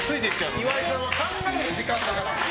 岩井さんは考える時間だから。